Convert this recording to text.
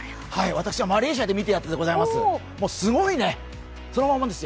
私がマレーシアで見たやつでございます！